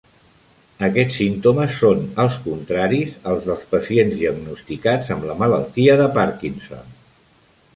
Aquests símptomes són els contraris als dels pacients diagnosticats amb la malaltia de Parkinson.